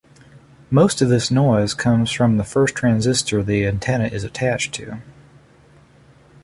Most of this noise comes from the first transistor the antenna is attached to.